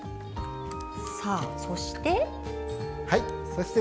そして。